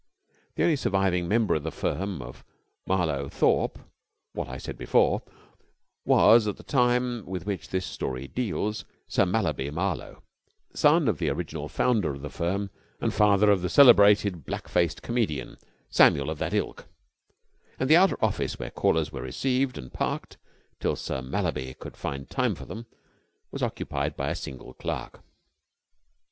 The only surviving member of the firm of Marlowe, Thorpe what I said before was, at the time with which this story deals, Sir Mallaby Marlowe, son of the original founder of the firm and father of the celebrated black faced comedian, Samuel of that ilk; and the outer office, where callers were received and parked till Sir Mallaby could find time for them, was occupied by a single clerk.